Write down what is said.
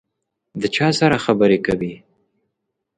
د چا سره خبري کوې ؟